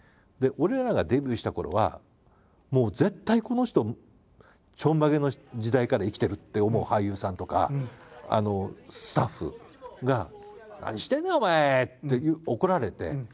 で俺らがデビューしたころはもう絶対この人ちょんまげの時代から生きてるって思う俳優さんとかスタッフが「何してんねん！お前」って怒られて。